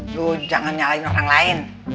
lu jangan nyalahin orang lain